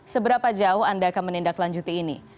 seberapa jauh anda akan menindaklanjuti ini